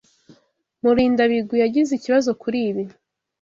Murindabigwi yagize ikibazo kuri ibi.